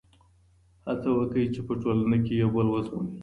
هڅه وکړئ چي په ټولنه کي یو بل ومنئ.